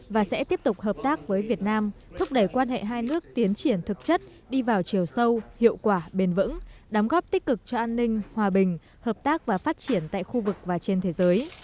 và sẽ tiếp tục hợp tác với việt nam thúc đẩy quan hệ hai nước tiến triển thực chất đi vào chiều sâu hiệu quả bền vững đám góp tích cực cho an ninh hòa bình hợp tác và phát triển tại khu vực và trên thế giới